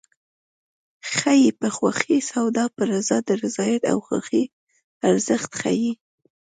خیښي په خوښي سودا په رضا د رضایت او خوښۍ ارزښت ښيي